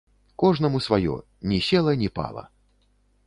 Кожнаму сваё, ні села, ні пала.